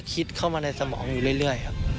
คิดเข้ามาในสมองอยู่เรื่อย